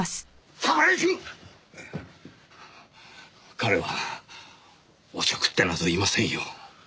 彼はおちょくってなどいませんよ。